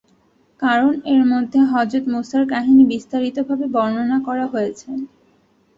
কারণ এর মধ্যে হযরত মূসার কাহিনী বিস্তারিতভাবে বর্ণনা করা হয়েছে।